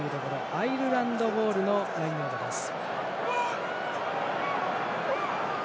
アイルランドボールのラインアウトです。